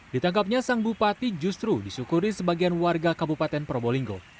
ditangkapnya sang bupati justru disyukuri sebagian warga kabupaten probolinggo